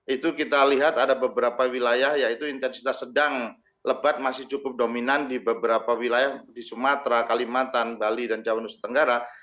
itu kita lihat ada beberapa wilayah yaitu intensitas sedang lebat masih cukup dominan di beberapa wilayah di sumatera kalimantan bali dan jawa nusa tenggara